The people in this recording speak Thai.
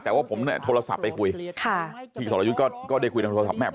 แต่ว่าผมเนี่ยโทรศัพท์ไปคุยพี่ศัลยุชก็ได้คุยด้วยโทรศัพท์